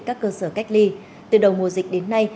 các cơ sở cách ly từ đầu mùa dịch đến nay